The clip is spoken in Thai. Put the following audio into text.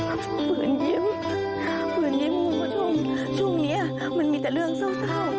เขาฝืนยิ้มฝืนยิ้มคุณผู้ชมช่วงนี้มันมีแต่เรื่องเศร้า